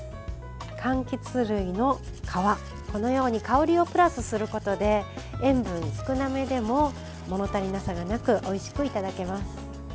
かんきつ類の皮、このように香りをプラスすることで塩分少なめでも物足りなさがなくおいしくいただけます。